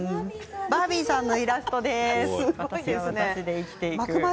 バービーさんのイラストです。